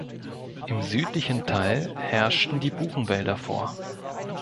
Im südlichen Teil herrschten die Buchenwälder vor.